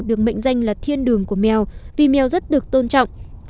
cùng mệnh danh là thiên đường của mèo vì mèo rất được tôn trọng